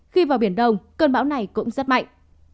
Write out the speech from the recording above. khi vào biển đông cơn bão này cũng rất mạnh